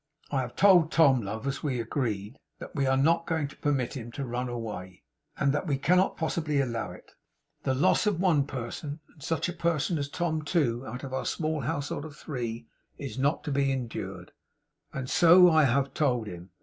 'I have told Tom, love, as we agreed, that we are not going to permit him to run away, and that we cannot possibly allow it. The loss of one person, and such a person as Tom, too, out of our small household of three, is not to be endured; and so I have told him.